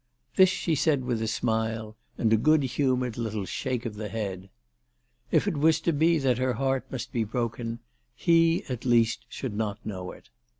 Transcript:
This she said with a smile and a good humoured little shake of the head. If it was to be that her heart must be broken he at least should not know it.